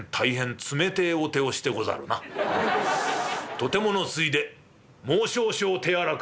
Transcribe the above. とてものついでもう少々手荒く」。